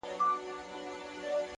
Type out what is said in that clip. هره ناکامي د راتلونکي لارښود کېږي،